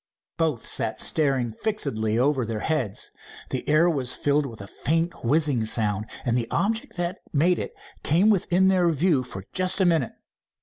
Both sat staring fixedly over their heads. The air was filled with a faint whizzing sound, and the object that made it came within their view for just a minute.